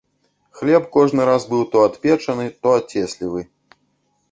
Хлеб кожны раз быў то адпечаны, то ацеслівы.